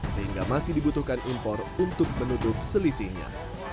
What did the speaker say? sehingga masih dibutuhkan impor untuk menutup selisihnya